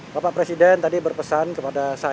bapak presiden tadi berpesan kepada saya